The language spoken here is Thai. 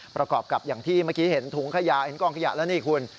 ประกอบกับอย่างที่เมื่อกี้เห็นถุงขยะเห็นกองขยะแล้วนี่คุณ